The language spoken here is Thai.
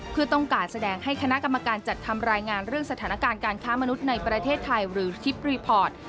เพื่อต้องการแสดงให้คณะกรรมการจัดทำรายงานเรื่องสถานการณ์การค้ามนุษย์ในประเทศไทยหรือทริปรีพอร์ต